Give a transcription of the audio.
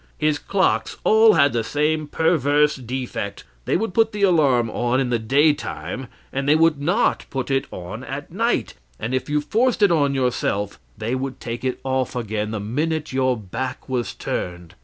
His clocks all had the same perverse defect: they would put the alarm on in the daytime, and they would not put it on at night; and if you forced it on yourself, they would take it off again the minute your back was turned.